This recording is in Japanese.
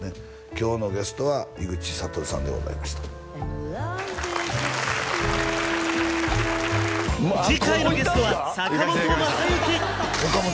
今日のゲストは井口理さんでございました次回のゲストは坂本昌行岡本